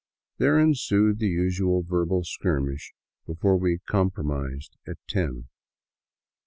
There ensued the usual verbal skirmish before we compromised at ten.